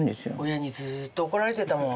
親にずっと怒られてたもん